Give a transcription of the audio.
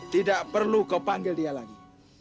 tidak perlu kau panggil dia lagi